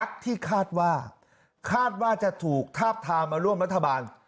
ที่คาดว่าคาดว่าจะถูกทาบทามมาร่วมรัฐบาล